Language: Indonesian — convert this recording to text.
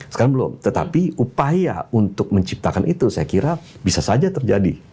sekarang belum tetapi upaya untuk menciptakan itu saya kira bisa saja terjadi